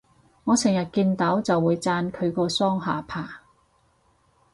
我成日見到就會讚佢個雙下巴